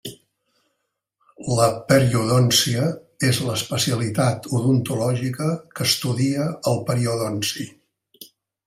La periodòncia és l'especialitat odontològica que estudia el periodonci.